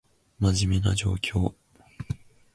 真面目な状況